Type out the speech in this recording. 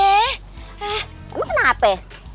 eh emang kenapa